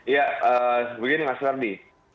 ya begini mas serdi